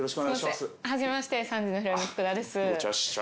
初めまして３時のヒロインの福田です。